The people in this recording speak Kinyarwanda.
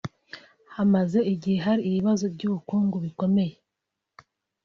hamaze igihe hari ibibazo by’ubukungu bikomeye